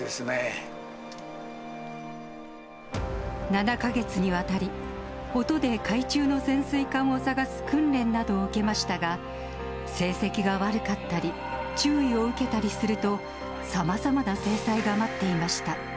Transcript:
７か月にわたり、音で海中の潜水艦を捜す訓練などを受けましたが、成績が悪かったり、注意を受けたりすると、さまざまな制裁が待っていました。